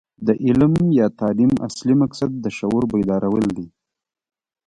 د علم یا تعلیم اصلي مقصد د شعور بیدارول دي.